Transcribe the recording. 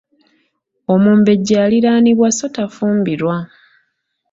Omumbejja Aliraanibwa so tafumbirwa.